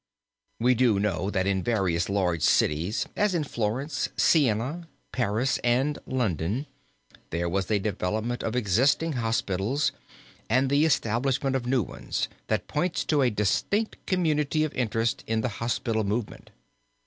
We do know that in various large cities, as in Florence, Siena, Paris and London, there was a development of existing hospitals and the establishment of new ones, that points to a distinct community of interest in the hospital movement.